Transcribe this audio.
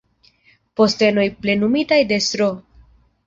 Postenoj plenumitaj de Sro.